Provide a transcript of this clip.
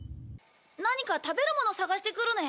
何か食べるもの探してくるね。